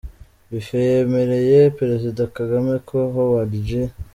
Buffett yemereye Perezida Kagame ko Howard G.